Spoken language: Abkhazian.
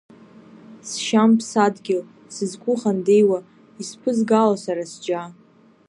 Сшьам ԥсадгьыл, сызқәыхандеиуа, исԥызгало сара сџьа.